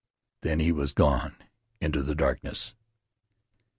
Then he was gone into the darkness.